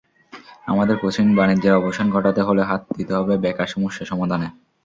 আমাদের কোচিং-বাণিজ্যের অবসান ঘটাতে হলে হাত দিতে হবে বেকার সমস্যা সমাধানে।